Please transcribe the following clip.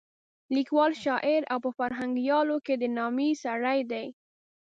لیکوال، شاعر او په فرهنګیانو کې د نامې سړی دی.